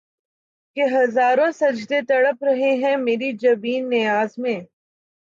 کہ ہزاروں سجدے تڑپ رہے ہیں مری جبین نیاز میں